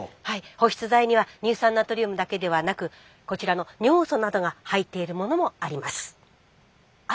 保湿剤には乳酸ナトリウムだけではなくこちらの尿素などが入っているものもあります。